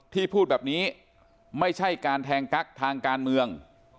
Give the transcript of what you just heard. พูดแบบนี้ไม่ใช่การแทงกั๊กทางการเมือง